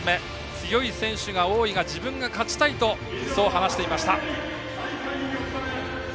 強い選手が多いが自分が勝ちたいと話していました。